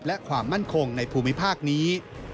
และความมั่นคงในภูมิภาคนี้